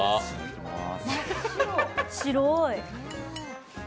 白い。